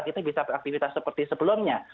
kita bisa beraktivitas seperti sebelumnya